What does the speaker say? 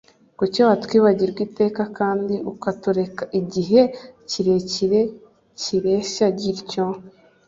Kuki watwibagirwa iteka, Kandi ukatureka igihe kirekire kireshya gityo?